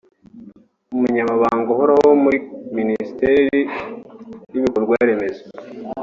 umunyamabanga uhoraho muri Minisiteri y’ibikorwa remezo